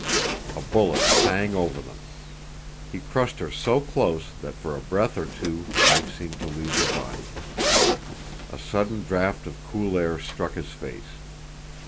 A bullet sang over them. He crushed her so close that for a breath or two life seemed to leave her body. A sudden draught of cool air struck his face.